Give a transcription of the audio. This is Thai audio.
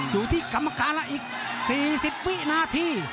อยู่ที่กรรมการแล้วอีก๔๐วินาที